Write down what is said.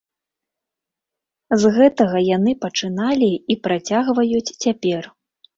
З гэтага яны пачыналі, і працягваюць цяпер.